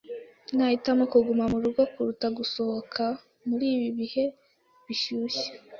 Nahitamo kuguma murugo kuruta gusohoka muri ibi bihe bishyushye.